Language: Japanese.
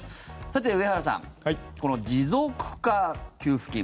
さて、上原さんこの持続化給付金。